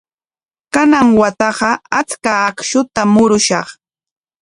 Kanan wataqa achka akshutam murushaq.